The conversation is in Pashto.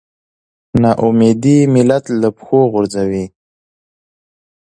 نا اميدي ملت له پښو غورځوي.